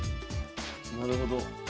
なるほど。